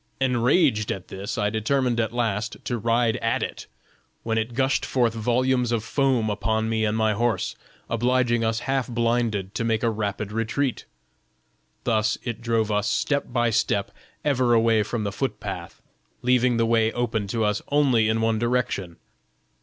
Enraged at this, I determined at last to ride at it, when it gushed forth volumes of foam upon me and my horse, obliging us half blinded to make a rapid retreat. Thus it drove us step by step ever away from the foot path, leaving the way open to us only in one direction.